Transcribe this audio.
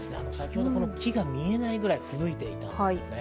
先ほど、木が見えないぐらい吹雪いていました。